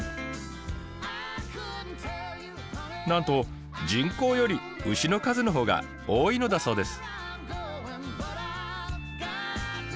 なんと人口より牛の数の方が多いのだそうです。